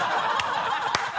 ハハハ